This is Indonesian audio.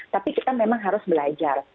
tapi kita memang harus belajar